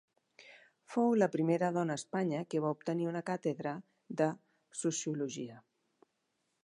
Fou la primera dona a Espanya que va obtenir una càtedra de Sociologia.